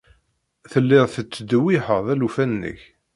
Telliḍ tettdewwiḥeḍ alufan-nnek.